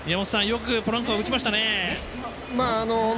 よくポランコは打ちましたね。